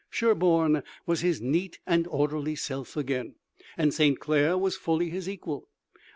Sherburne was his neat and orderly self again and St. Clair was fully his equal.